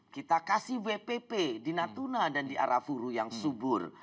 kita kasih wpp di natuna dan di arafuru yang subur